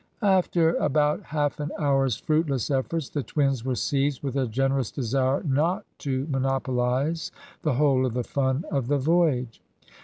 After about half an hour's fruitless efforts the twins were seized with a generous desire not to monopolise the whole of the fun of the voyage.